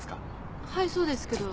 はいそうですけど。